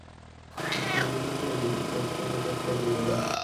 Acest lucru ridică o serie de probleme.